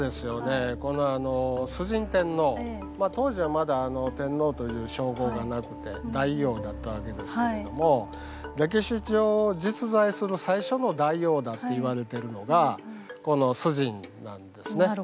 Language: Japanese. この崇神天皇当時はまだ「天皇」という称号がなくて「大王」だったわけですけれども歴史上実在する最初の大王だって言われてるのがこの崇神なんですね。